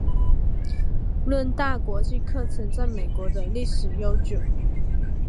伦大国际课程在香港的历史悠久。